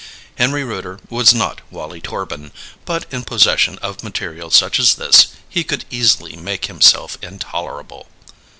Henry Rooter was not Wallie Torbin; but in possession of material such as this he could easily make himself intolerable.